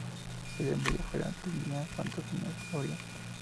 Si la envidia fuera tiña, ¡cuántos tiñosos habría!